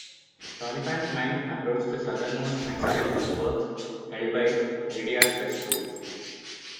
Doniphan's men approached the southernmost Mexican earthworks, held by Heredia's best troops.